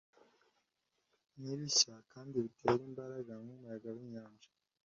Nkibishya kandi bitera imbaraga nkumuyaga winyanja